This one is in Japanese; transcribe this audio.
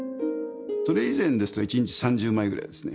それ以前ですと一日３０枚ぐらいですね